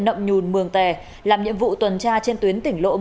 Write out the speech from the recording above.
nậm nhùn mường tè làm nhiệm vụ tuần tra trên tuyến tỉnh lộ một trăm hai mươi bảy